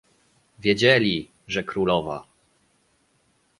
"Wiedzieli, że królowa."